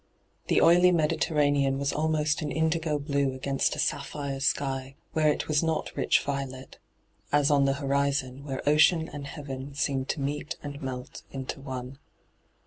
The oily Mediterranean was almost an indigo blue against a sapphire sky, where it was not rich violet — as on the horizon, where ocean and heaven seemed to meet and melt into one.